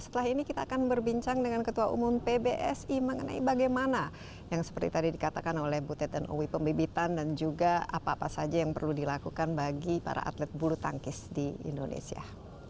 setelah ini kita akan berbincang dengan ketua umum pbsi mengenai bagaimana yang seperti tadi dikatakan oleh butet dan owi pembibitan dan juga apa apa saja yang perlu dilakukan bagi para atlet bulu tangkis di indonesia